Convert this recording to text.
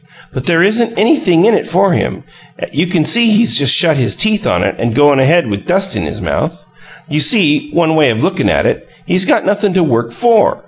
But there isn't anything in it to him; you can see he's just shut his teeth on it and goin' ahead with dust in his mouth. You see, one way of lookin' at it, he's got nothin' to work FOR.